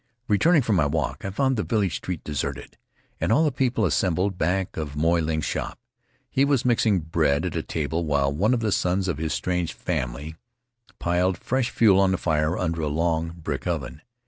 Returning from my walk, I found the village street deserted and all of the people assembled back of Moy Ling's shop. He was mixing bread at a table while one of the sons of his strange family piled fresh fuel on the fire under a long brick oven.